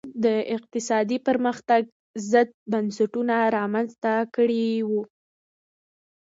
د اقتصادي پرمختګ ضد بنسټونه رامنځته کړي وو.